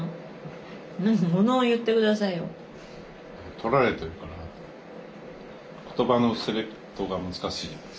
撮られてるから言葉のセレクトが難しいんです。